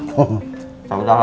sambil lakukan dari tadi